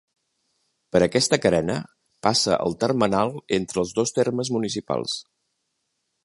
Per aquesta carena passa el termenal entre els dos termes municipals.